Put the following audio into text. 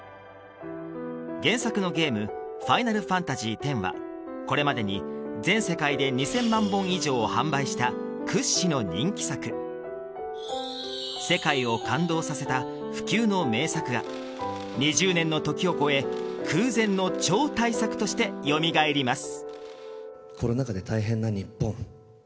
原作のゲーム「ファイナルファンタジーⅩ」はこれまでに全世界で２０００万本以上を販売した屈指の人気作世界を感動させた不朽の名作が２０年の時を超え空前の超大作としてよみがえります